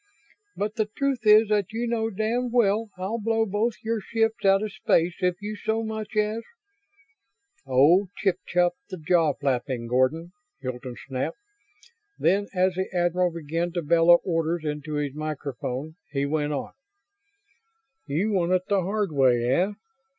"But the truth is that you know damned well I'll blow both of your ships out of space if you so much as ..." "Oh, chip chop the jaw flapping, Gordon!" Hilton snapped. Then, as the admiral began to bellow orders into his microphone, he went on: "You want it the hard way, eh?